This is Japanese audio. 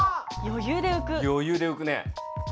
余裕で浮くね。